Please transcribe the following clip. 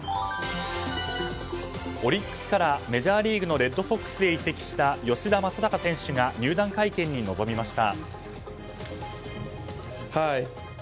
オリックスからメジャーリーグのレッドソックスに移籍した吉田正尚選手が入団会見に臨みました。